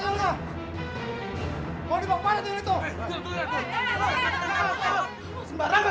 tangan jangan jangan